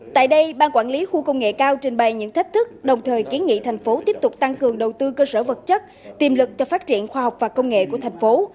tại đây ban quản lý khu công nghệ cao trình bày những thách thức đồng thời kiến nghị thành phố tiếp tục tăng cường đầu tư cơ sở vật chất tiềm lực cho phát triển khoa học và công nghệ của thành phố